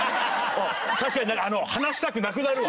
確かになんか離したくなくなるわ。